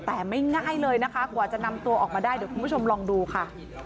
แต่ไม่ง่ายเลยนะคะกว่าจะนำตัวออกมาได้เดี๋ยวคุณผู้ชมลองดูค่ะ